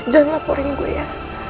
jangan laporin gue ya